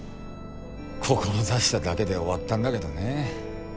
志しただけで終わったんだけどね。